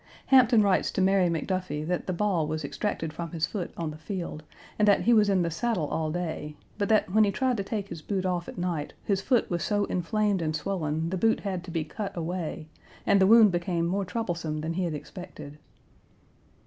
Hampton writes to Mary McDuffie that the ball was extracted from his foot on the field, and that he was in the saddle all day, but that, when he tried to take his boot off at night his foot was so inflamed and swollen, the boot had to be cut away, and the wound became more troublesome than he had expected.